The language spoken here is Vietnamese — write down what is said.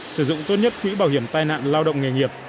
sử dụng tốt nhất quỹ bảo hiểm tai nạn lao động nghề nghiệp